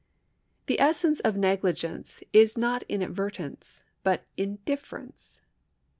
The essence of negli gence is not inadvertence but indijference.